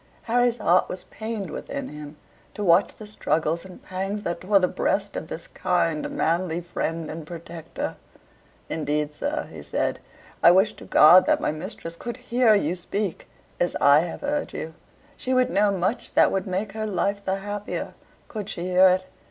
Harry's heart was pained within him, to watch the struggles and pangs that tore the breast of this kind, manly friend and protector. "Indeed, sir," said he, "I wish to God that my mistress could hear you speak as I have heard you; she would know much that would make her life the happier, could she hear it."